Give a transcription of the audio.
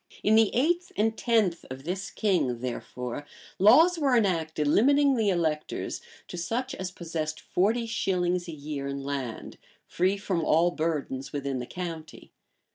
In the eighth and tenth of this king, therefore, laws were enacted, limiting the electors to such as possessed forty shillings a year in land, free from all burdens within the county.